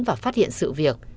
và phát hiện sự việc